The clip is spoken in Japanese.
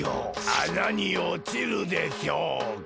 あなにおちるでしょうが。